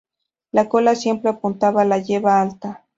La cola siempre amputada la lleva alta.